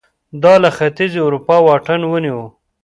دا له ختیځې اروپا واټن ونیو